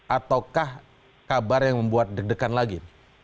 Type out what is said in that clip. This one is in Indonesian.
ataukah kabar yang membuat deg degan lagi